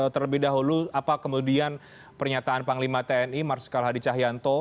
terlebih dahulu apa kemudian pernyataan panglima tni marsikal hadi cahyanto